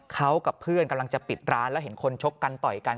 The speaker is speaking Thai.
เขากับเพื่อนกำลังจะปิดร้านแล้วเห็นคนชกกันต่อยกัน